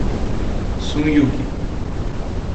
Sung Yu-chi